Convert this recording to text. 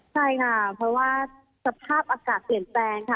ใช่ค่ะเพราะว่าสภาพอากาศเปลี่ยนแปลงค่ะ